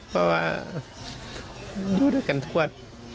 เพราะว่าดูด้วยกันทุกวัน